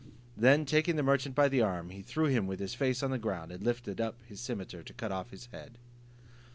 Then taking the merchant by the arm, he threw him with his face on the ground, and lifted up his cimeter to cut off his head.